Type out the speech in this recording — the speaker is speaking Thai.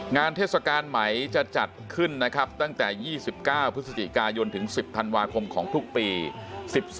เทศกาลใหม่จะจัดขึ้นนะครับตั้งแต่๒๙พฤศจิกายนถึง๑๐ธันวาคมของทุกปี